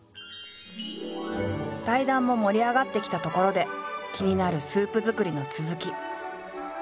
対談も盛り上がってきたところで気になるスープ作りの続き。